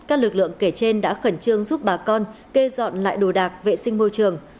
các lực lượng kể trên đã khẩn trương giúp bà con kê dọn lại đồ đạc vệ sinh môi trường